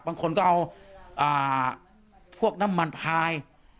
บางคนก็เอาพวกน้ำมันพาย